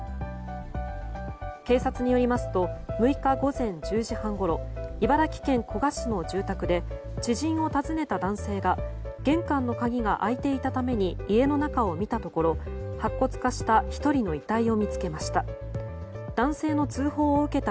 警察によりますと６日午前１０時半ごろ茨城県古河市の住宅で知人を訪ねた男性が玄関の鍵が開いていたために家の中を見たところ白骨化した１人の遺体を見つけました。